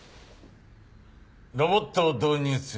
ロボットを導入する。